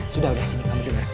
sudah sudah sini kamu denger